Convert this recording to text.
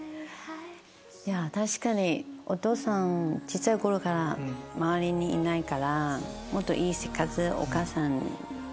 確かにお父さん小さい頃から周りにいないからもっといい生活お母さんに。